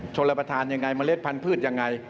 ชนประทานยังไงมาเลสพันธ์พืชยังไง